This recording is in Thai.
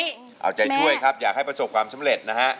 เอาใจช่วยครับอยากให้ประสบความสำเร็จนะฮะ